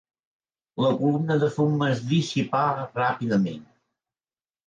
La columna de fum es dissipà ràpidament.